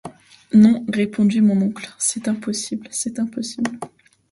Non, répondit mon oncle, c’est impossible ! c’est impossible !